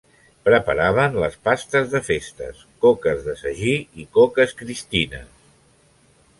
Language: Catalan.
Preparaven les pastes de festes: coques de sagí i coques cristines.